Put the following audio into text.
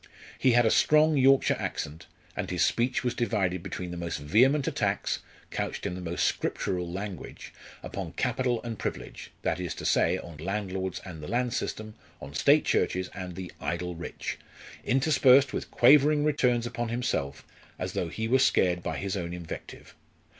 He had a strong Yorkshire accent, and his speech was divided between the most vehement attacks, couched in the most Scriptural language, upon capital and privilege that is to say, on landlords and the land system, on State churches and the "idle rich," interspersed with quavering returns upon himself, as though he were scared by his own invective.